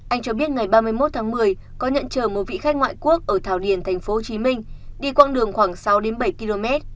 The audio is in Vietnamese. anh cho biết ngày ba mươi một tháng một mươi có nhận trở một vị khách ngoại quốc ở thảo điền tp hcm đi quãng đường khoảng sáu đến bảy km